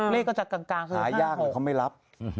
เลขก็จะกลางคือหาอย่างยากเหรอเขาไม่รับ